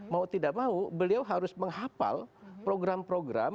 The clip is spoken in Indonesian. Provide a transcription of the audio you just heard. mau tidak mau beliau harus menghapal program program